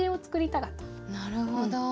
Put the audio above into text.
なるほど。